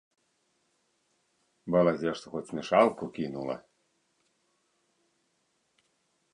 Балазе што хоць мешалку кінула.